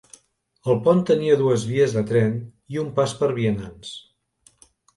El pont tenia dues vies de tren i un pas per a vianants.